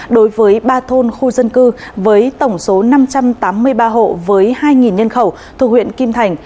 đối với ba thôn khu dân cư với tổng số năm trăm tám mươi ba hộ với hai nhân khẩu thuộc huyện kim thành